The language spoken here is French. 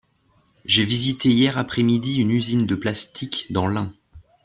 J’ai visité hier après-midi une usine de plastique dans l’Ain.